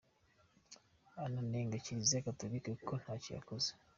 Ananenga Kiliziya Gatolika ko ntacyo yakoze.